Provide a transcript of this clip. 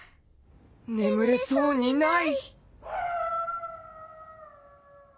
眠れそうにない